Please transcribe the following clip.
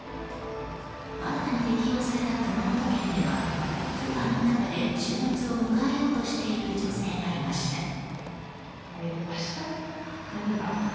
新たに適用された熊本県では不安の中で週末を迎えようとしている女性がいました。